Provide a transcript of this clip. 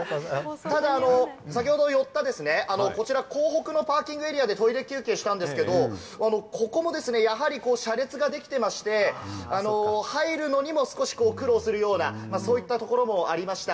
ただ先ほど寄ったですね、こちら港北パーキングエリアで、トイレ休憩したんですけれども、ここも車列ができていまして、入るのにも少し苦労するような、そういったところもありました。